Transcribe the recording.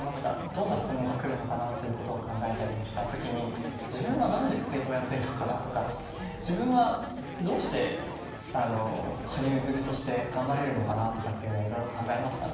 どんな質問がくるのかなと考えたときに自分は何でスケートをやっているのかなとか自分は、どうして羽生結弦として頑張れるのかなとかいろいろ考えました。